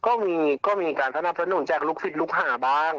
ก็มีการสนับสนุนจากลูกศิษย์ลูกหาบ้าง